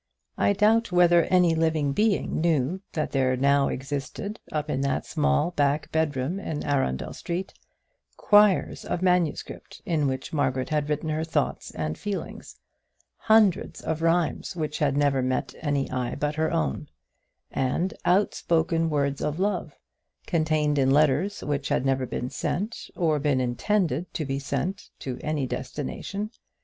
I doubt whether any living being knew that there now existed, up in that small back bedroom in Arundel Street, quires of manuscript in which Margaret had written her thoughts and feelings, hundreds of rhymes which had never met any eye but her own; and outspoken words of love contained in letters which had never been sent, or been intended to be sent, to any destination.